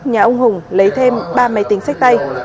nhà ông hùng lấy thêm ba máy tính sách tay